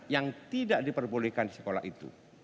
yang tidak diperbolehkan di sekolah itu